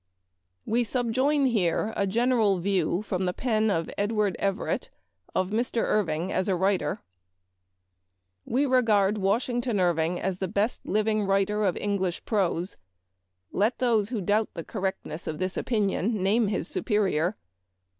We subjoin here a general view, from the pen of Edward Everett, of Mr. Irving as a writer :" We regard Washington Irving as the best Memoir of Washington Irving. 289 living writer of English prose. Let those who doubt the correctness of this opinion name his superior.